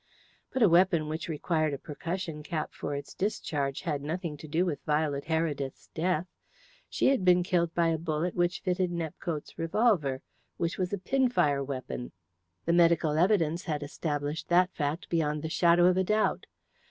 But a weapon which required a percussion cap for its discharge had nothing to do with Violet Heredith's death. She had been killed by a bullet which fitted Nepcote's revolver, which was a pinfire weapon. The medical evidence had established that fact beyond the shadow of a doubt.